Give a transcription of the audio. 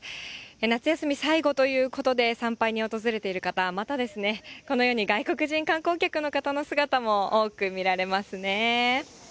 夏休み最後ということで、参拝に訪れている方、またですね、このように外国人観光客の方の姿も多く見られますね。